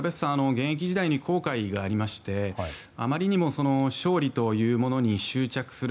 現役時代に後悔がありましてあまりにも勝利というものに執着する